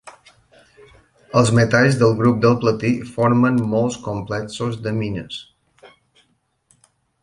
Els metalls del grup del platí formen molts complexos d'amines.